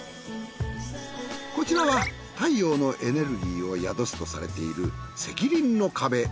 こちらは太陽のエネルギーを宿すとされている石林の壁。